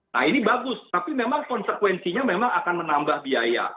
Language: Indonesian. nah ini bagus tapi memang konsekuensinya memang akan menambah biaya